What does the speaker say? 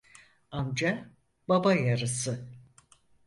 Amca, baba yarısı.